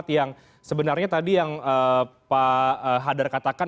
yang sebenarnya tadi yang pak hadar katakan